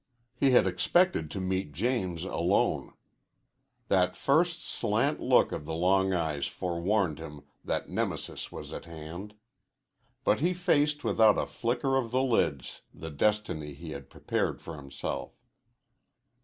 He had expected to meet James alone. That first slant look of the long eyes forewarned him that Nemesis was at hand. But he faced without a flicker of the lids the destiny he had prepared for himself.